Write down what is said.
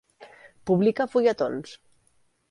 Publica fulletons.